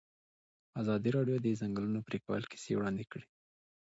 ازادي راډیو د د ځنګلونو پرېکول کیسې وړاندې کړي.